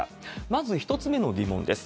まず１つ目の疑問です。